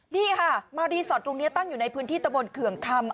นี่ค่ะมารีสอร์ทตรงนี้ตั้งอยู่ในพื้นที่ตะบนเขื่องคำ